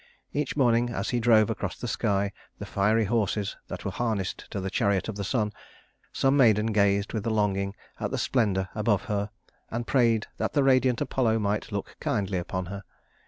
Each morning as he drove across the sky the fiery horses that were harnessed to the chariot of the sun, some maiden gazed with longing at the splendor above her, and prayed that the radiant Apollo might look kindly upon her.